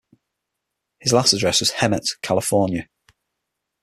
His last address was Hemet, California.